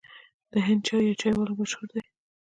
د هند چای یا چای والا مشهور دی.